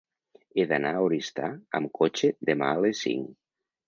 He d'anar a Oristà amb cotxe demà a les cinc.